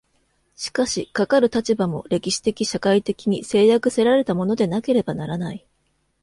しかしかかる立場も、歴史的社会的に制約せられたものでなければならない。